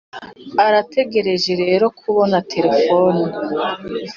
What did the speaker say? arategereje rero kubona terefone.